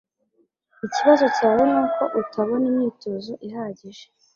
Ikibazo cyawe nuko utabona imyitozo ihagije